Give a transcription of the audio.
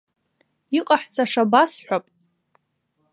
Иҟаҳҵаша басҳәап.